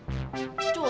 selamat pagi reva